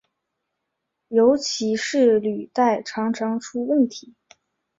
尤其是履带常常出问题。